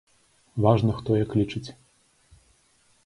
Важна, хто як лічыць.